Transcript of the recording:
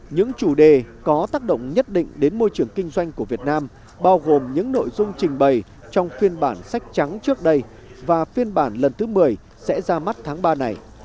những chủ đề có tác động nhất định đến môi trường kinh doanh của việt nam bao gồm những nội dung trình bày trong phiên bản sách trắng trước đây và phiên bản lần thứ một mươi sẽ ra mắt tháng ba này